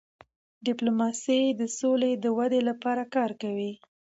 ډيپلوماسي د سولې د ودی لپاره کار کوي.